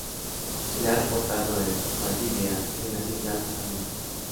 Se le ha reportado en Valdivia y en las islas Malvinas.